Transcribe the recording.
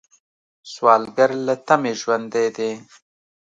سوالګر له تمې ژوندی دی